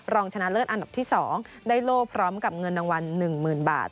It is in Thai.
รองชนะเลิศอันดับที่๒ได้โล่พร้อมกับเงินรางวัล๑๐๐๐บาท